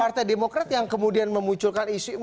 partai demokrat yang kemudian memunculkan isu